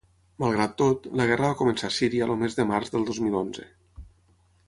Malgrat tot, la guerra va començar a Síria el mes de març del dos mil onze.